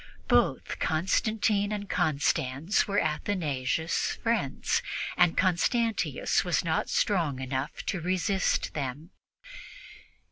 Both Constantine and Constans were Athanasius' friends, and Constantius was not strong enough to resist them.